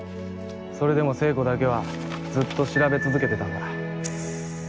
それでも聖子だけはずっと調べ続けてたんだ。